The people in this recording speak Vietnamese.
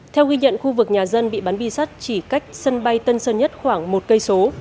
theo ghi nhận khu vực nhà dân bị bắn bi sắt chỉ cách sân bay tân sơn nhất khoảng một cây số